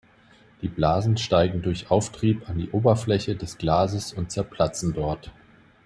Die Blasen steigen durch Auftrieb an die Oberfläche des Glases und zerplatzen dort.